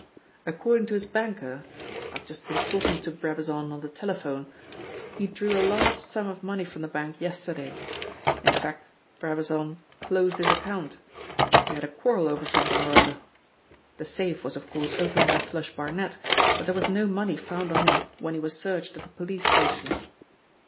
According to his banker I've just been talking to Brabazon on the telephone he drew a large sum of money from the bank yesterday. In fact, Brabazon closed his account. They had a quarrel over something or other. The safe was of course opened by 'Flush' Barnet, but there was no money found on him when he was searched at the police station.